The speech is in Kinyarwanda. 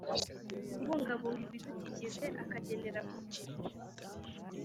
Kubungabunga Ibidukikije akagenera kopi